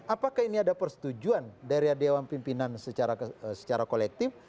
apakah ini ada persetujuan dari dewan pimpinan secara kolektif